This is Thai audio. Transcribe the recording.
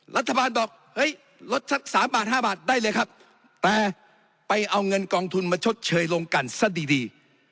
รัฐบาลบอกเฮ้ยลดสัก๓บาท๕บาทได้เลยครับแต่ไปเอาเงินกองทุนมาชดเชยลงกันซะดีดี